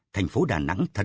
thành phố đà nẵng thật sắc